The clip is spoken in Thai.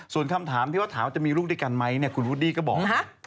ส่วนคำถามที่ว่าถามว่าจะมีลูกด้วยกันไหมคุณวูดดี้ก็บอก